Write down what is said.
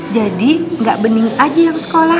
jadi gak bening aja yang sekolah